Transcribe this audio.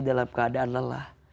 dalam keadaan lelah